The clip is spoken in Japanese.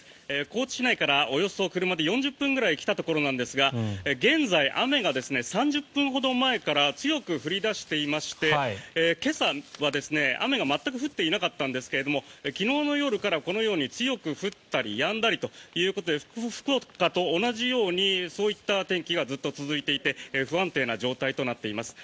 高知市内からおよそ車で４０分ぐらい来たところなんですが現在、雨が３０分ほど前から強く降り出していまして今朝は雨が全く降っていなかったんですけれども昨日の夜からこのように強く降ったりやんだりということで福岡と同じようにそういった天気がずっと続いていて不安定な状態となっています。